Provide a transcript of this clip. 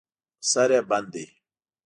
سر یې بند دی.